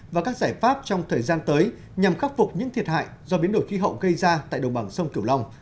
và các giải pháp trong thời gian tới nhằm khắc phục những thiệt hại do biến đổi khí hậu gây ra tại đồng bằng sông kiểu long